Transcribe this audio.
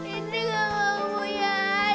indri gak mau punya adik